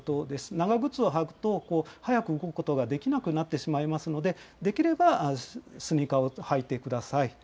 長靴を履くと速く動くことができなくなってしまいますので、できればスニーカーを履いてください。